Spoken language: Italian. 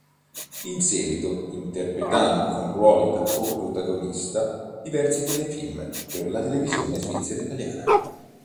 In seguito interpretando con ruoli da coprotagonista diversi telefilm per la televisione svizzera italiana.